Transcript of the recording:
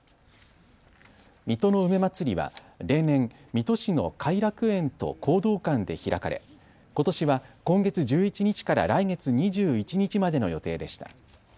水戸の梅まつりは例年、水戸市の偕楽園と弘道館で開かれことしは今月１１日から来月２１日までの予定でした。